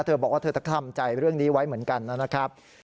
เธอบอกว่าเธอต้องทำใจเรื่องนี้ไว้เหมือนกันนะครับ